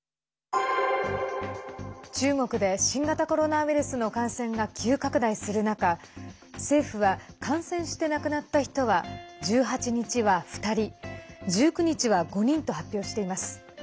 中国で新型コロナウイルスの感染が急拡大する中政府は、感染して亡くなった人は１８日は２人１９日は５人と発表しています。